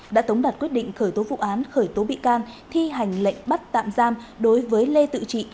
đã tống đạt quyết định khởi tố vụ án khởi tố bị can thi hành lệnh bắt tạm giam đối với lê tự trị